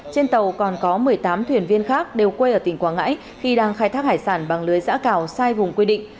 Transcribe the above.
trên tàu còn có một mươi tám thuyền viên khác đều quê ở tỉnh quảng ngãi khi đang khai thác hải sản bằng lưới giã cào sai vùng quy định